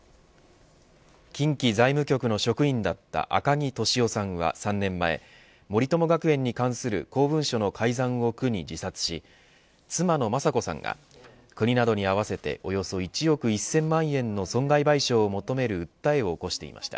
近畿財務局の職員だった赤木俊夫さんは３年前森友学園に関する公文書の改ざんを苦に自殺し妻の雅子さんが国などに合わせておよそ１億１０００万円の損害賠償を求める訴えを起こしていました。